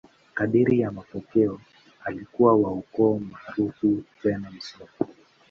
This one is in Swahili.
Kadiri ya mapokeo, alikuwa wa ukoo maarufu tena msomi.